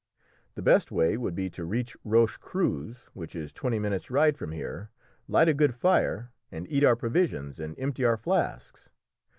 The best way would be to reach Roche Creuse, which is twenty minutes' ride from here, light a good fire, and eat our provisions and empty our flasks.